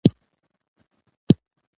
په ځیر مې ورته وکتل.